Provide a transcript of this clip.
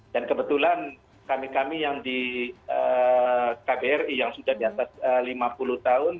dan kebetulan kami kami yang di kbri yang sudah di atas lima puluh tahun